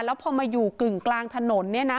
แล้วพอมาอยู่กึ่งกลางถนนเนี่ยนะ